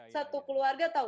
satu keluarga tahu